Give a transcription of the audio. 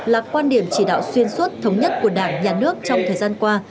là quan điểm chỉ đạo xuyên suốt thống nhất của đảng nhà nước trong thời gian qua